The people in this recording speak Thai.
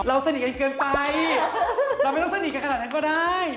เราไม่ต้องสนิทกันขนาดนั้นก็ได้